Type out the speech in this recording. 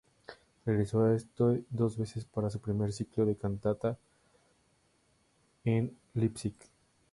Regresó a este dos veces para su primer ciclo de cantata en Leipzig.